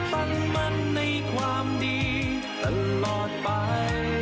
ตั้งมั่นในความดีตลอดไป